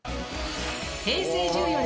平成１４年